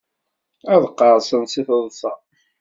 Ad qqerṣen si teḍsa.